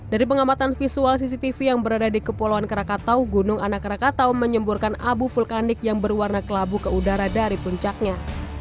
dari pengamatan visual cctv yang berada di kepulauan krakatau gunung anak rakatau menyemburkan abu vulkanik yang berwarna kelabu ke udara dari puncaknya